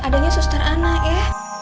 adanya suster anna ya